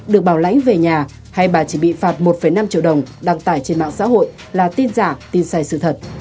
được bảo lãnh về nhà hay bà chỉ bị phạt một năm triệu đồng đăng tải trên mạng xã hội là tin giả tin sai sự thật